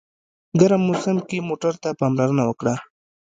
ګرم موسم کې موټر ته پاملرنه وکړه.